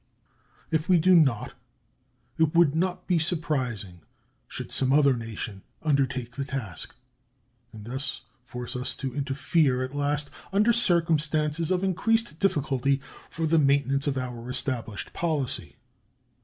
If we do not, it would not be surprising should some other nation undertake the task, and thus force us to interfere at last, under circumstances of increased difficulty, for the maintenance of our established policy.